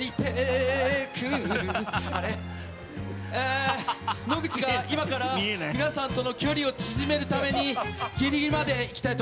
ええ野口が今から皆さんとの距離を縮めるためにギリギリまで行きたいと思います。